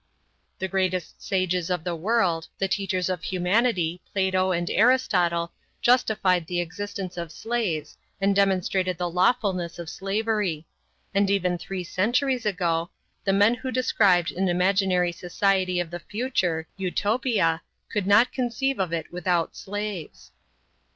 The greatest sages of the world, the teachers of humanity, Plato and Aristotle, justified the existence of slaves and demonstrated the lawfulness of slavery; and even three centuries ago, the men who described an imaginary society of the future, Utopia, could not conceive of it without slaves.